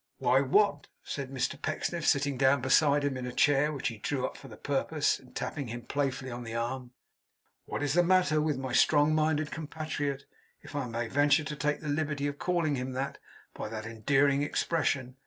'Why, what,' said Mr Pecksniff, sitting down beside him in a chair which he drew up for the purpose, and tapping him playfully on the arm, 'what is the matter with my strong minded compatriot, if I may venture to take the liberty of calling him by that endearing expression?